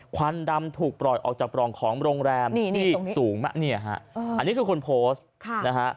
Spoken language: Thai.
ควันดำถูกปล่อยออกจากปล่องของโรงแรมที่สูงมากเนี่ยฮะอันนี้คือคนโพสต์นะฮะ